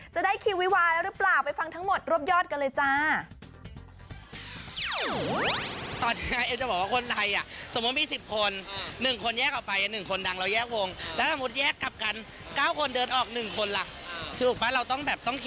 จะได้คิววิวาแล้วหรือเปล่าไปฟังทั้งหมดรวบยอดกันเลยจ้า